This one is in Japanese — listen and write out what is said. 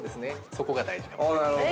そこが大事かもしれません。